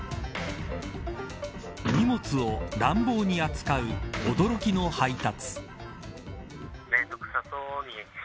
荷物を乱暴に扱う驚きの配達。